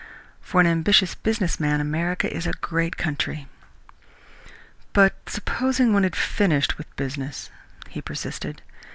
For an ambitious business man America is a great country." "But supposing one had finished with business?" he persisted.